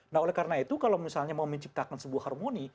nah oleh karena itu kalau misalnya mau menciptakan sebuah harmoni